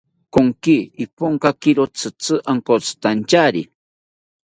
Konki Iponkakiro tzitzi onkotzitantyari